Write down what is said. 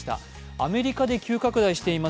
アメリカで急拡大しています